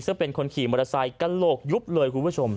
ซึ่งเป็นคนขี่มอเตอร์ไซค์กระโหลกยุบเลยคุณผู้ชม